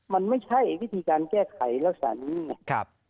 มันไม่ใช่วิธีการแก้ไขลักษณะนี้ไง